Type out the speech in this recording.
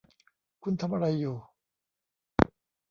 คุณทำอะไรอยู่